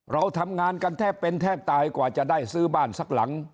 เราทำงานกันแทบเป็นแทบตายกว่าจะได้ซื้อบ้านสักหลัง